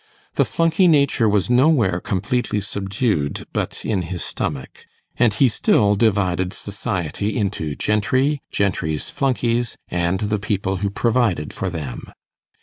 The flunkey nature was nowhere completely subdued but in his stomach, and he still divided society into gentry, gentry's flunkeys, and the people who provided for them.